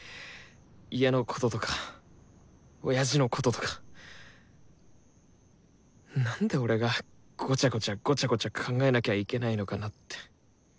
家のこととか親父のこととかなんで俺がごちゃごちゃごちゃごちゃ考えなきゃいけないのかなって。